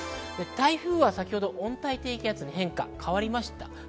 台風は先ほど温帯低気圧に変化、変わりました。